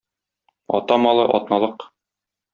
Ата малы - атналык.